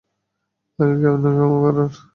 আমি কে আপনাকে ক্ষমা করার?